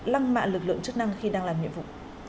lăng mạ lực lượng chức năng khi đang làm nhiệm vụ